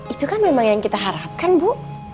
itu kan memang yang kita harapkan bu